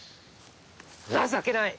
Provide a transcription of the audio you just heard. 情けない！